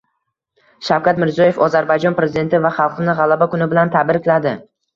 Shavkat Mirziyoyev Ozarbayjon prezidenti va xalqini G‘alaba kuni bilan tabrikladi